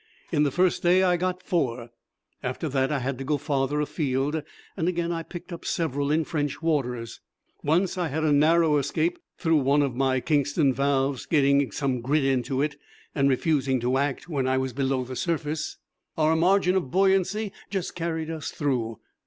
In the first day I got four. After that I had to go farther afield, and again I picked up several in French waters. Once I had a narrow escape through one of my kingston valves getting some grit into it and refusing to act when I was below the surface. Our margin of buoyancy just carried us through.